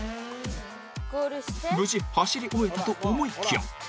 無事、走り終えたと思いきや。